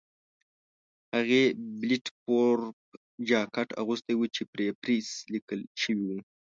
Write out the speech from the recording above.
هغې بلېټ پروف جاکټ اغوستی و چې پرې پریس لیکل شوي وو.